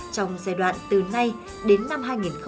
trong giai đoạn từ nay đến năm hai nghìn hai mươi